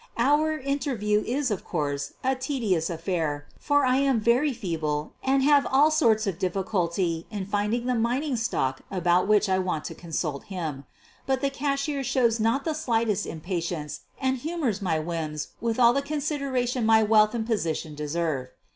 Our interview is, of course, a tedious affair fox* I am very feeble and have all sorts of difficulty in finding the mining stock about which I want to con QUEEN OF THE BURGLARS 223 suit him. But the cashier shows not the slightest impatience and humors my whims with all the con sideration my wealth and position deserve.